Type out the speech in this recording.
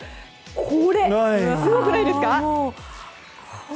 これ、すごくないですか？